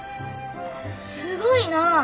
すごいな。